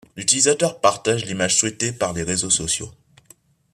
L'utilisateur partage l'image souhaitée par les réseaux sociaux.